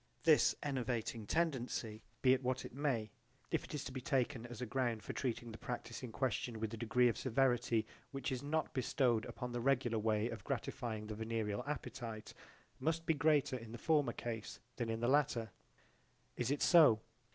This enervating tendency, be it what it may, if it is to be taken as a ground for treating the / practise in question with a degree of severity which is not bestowed upon the regular way of gratifying the venereal appetite, must be greater in the former case than in the latter. Is it so?